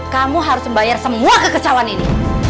kamu harus membayar semua kekecauan ini